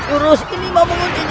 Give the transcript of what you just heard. aku tidak bisa mengendalikan itu